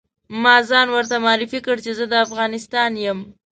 ما ځان ورته معرفي کړ چې زه د افغانستان یم.